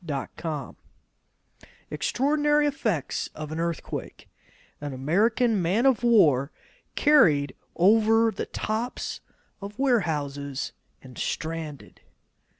Extraordinary Effects of an Earthquake An American Man of War Carried Over the Tops of Warehouses and Stranded.